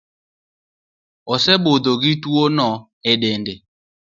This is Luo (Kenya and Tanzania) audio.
Osebudho gi tuo no e dende